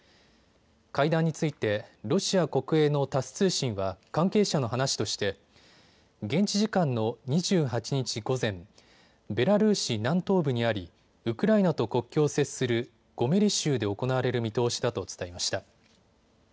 会談についてロシア国営のタス通信は関係者の話として現地時間の２８日午前、ベラルーシ南東部にありウクライナと国境を接するゴメリ州で行われる見通しだと伝えました。